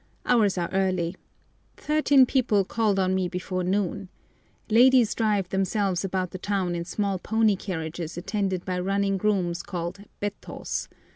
Hours are early. Thirteen people called on me before noon. Ladies drive themselves about the town in small pony carriages attended by running grooms called bettos.